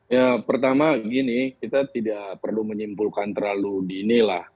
ya pertama gini kita tidak perlu menyimpulkan terlalu dinilah